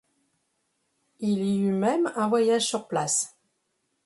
Il y eut même un voyage sur place.